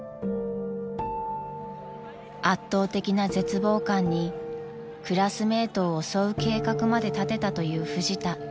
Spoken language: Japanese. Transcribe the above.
［圧倒的な絶望感にクラスメートを襲う計画まで立てたというフジタ］